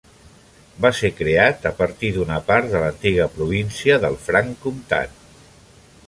Va ser creat a partir d'una part de l'antiga província del Franc Comtat.